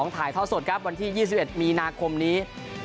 ถ่ายท่อสดครับวันที่๒๑มีนาคมนี้